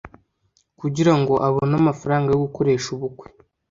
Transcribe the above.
kugira ngo abone amafaranga yo gukoresha ubukwe